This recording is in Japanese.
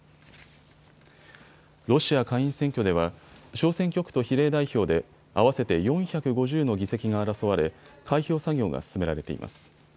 ロシア下院選挙では小選挙区と比例代表で合わせて４５０の議席が争われ開票作業が進められています。